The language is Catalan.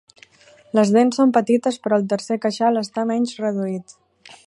Les dents són petites, però el tercer queixal està menys reduït.